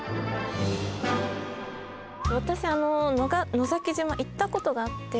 私野崎島行ったことがあって。